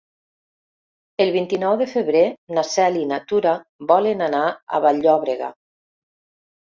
El vint-i-nou de febrer na Cel i na Tura volen anar a Vall-llobrega.